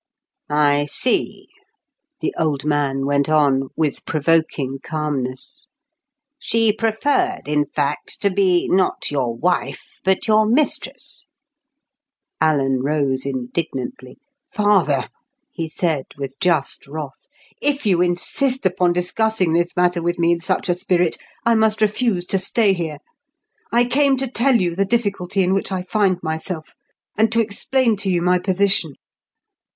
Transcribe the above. "I see," the old man went on with provoking calmness. "She preferred, in fact, to be, not your wife, but your mistress." Alan rose indignantly. "Father," he said, with just wrath, "if you insist upon discussing this matter with me in such a spirit, I must refuse to stay here. I came to tell you the difficulty in which I find myself, and to explain to you my position.